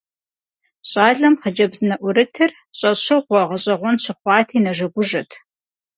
Щӏалэм хъыджэбз нэӀурытыр щӀэщыгъуэ, гъэщӀэгъуэн щыхъуати, нэжэгужэт.